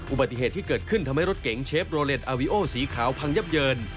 อุบัติเหตุที่เกิดขึ้นทำให้รถเก๋งเชฟโรเล็ตอาวิโอสีขาวพังยับเยิน